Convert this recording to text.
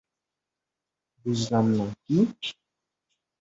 বুঝলাম না, কী?